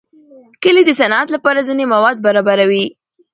کلي د صنعت لپاره ځینې مواد برابروي.